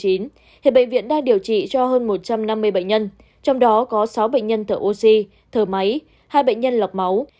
hiện bệnh viện đang điều trị cho hơn một trăm năm mươi bệnh nhân trong đó có sáu bệnh nhân thở oxy thở máy hai bệnh nhân lọc máu